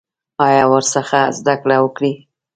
آیا او ورڅخه زده کړه وکړي؟